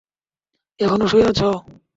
এখনও শুয়ে আছ?